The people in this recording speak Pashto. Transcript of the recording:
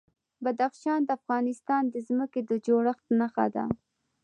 بدخشان د افغانستان د ځمکې د جوړښت نښه ده.